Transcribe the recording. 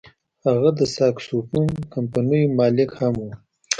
هغه د ساکسوفون کمپنیو مالک هم و.